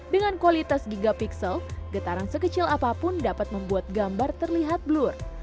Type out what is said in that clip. dengan kualitas gigapiksel getaran sekecil apapun dapat membuat gambar terlihat blur